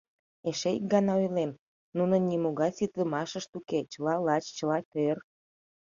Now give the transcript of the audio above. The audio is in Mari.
Эше ик гана ойлем: нунын нимогай ситыдымашышт уке — чыла лач, чыла тӧр.